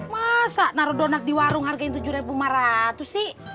masa naruh donat di warung harganya tujuh lima ratus sih